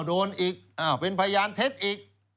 โดนอีกเป็นพยานเท็จอีก